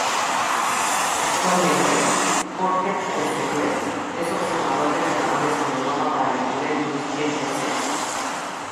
Actualmente, Jorge Trezeguet es observador de jugadores en Europa para la Juventus F. C..